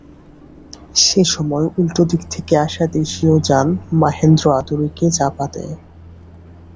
সে সময় উল্টো দিক থেকে আসা দেশীয় যান মাহেন্দ্র আদুরিকে চাপা দেয়।